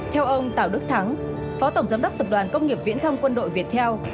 theo ông tào đức thắng phó tổng giám đốc tập đoàn công nghiệp viễn thông quân đội việt theo